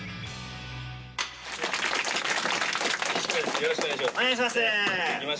よろしくお願いします。